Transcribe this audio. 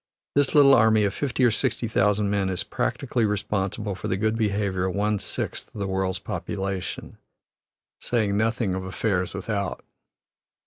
This little army of fifty or sixty thousand men is practically responsible for the good behavior of one sixth of the world's population, saying nothing of affairs without.